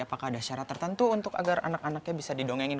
apakah ada syarat tertentu untuk agar anak anaknya bisa didongengin